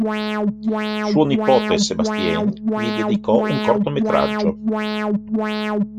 Suo nipote Sébastien gli dedicò un cortometraggio.